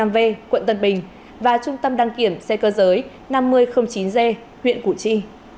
năm mươi năm v quận tân bình và trung tâm đăng kiểm xe cơ giới năm mươi chín g huyện cụ chi